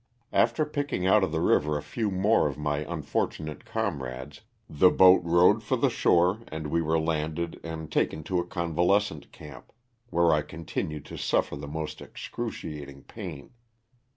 After picking out of the river a few more of my unfortunate comrades the boat rowed for the shore and we were landed and taken to a convalescent camp, where I continued to suffer the most excruciating pain.